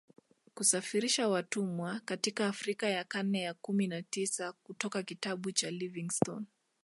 Kusafirisha watumwa katika Afrika ya karne ya kumi na tisa kutoka kitabu cha Livingstone